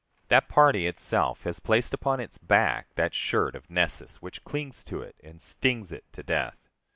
That party itself has placed upon its back that shirt of Nessus which clings to it and stings it to death.